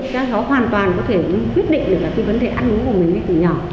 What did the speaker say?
các cháu hoàn toàn có thể quyết định về vấn đề ăn uống của mình từ nhỏ